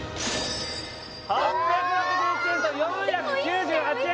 ８６１円と４９８円